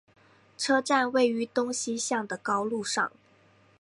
车站位于东西向的高路上。